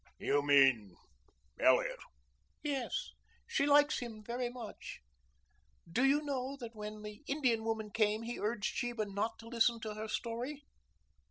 "You mean Elliot?" "Yes. She likes him very much. Do you know that when the Indian woman came he urged Sheba not to listen to her story?"